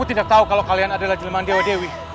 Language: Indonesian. aku tidak tahu kalau kalian adalah jelman dewi dewi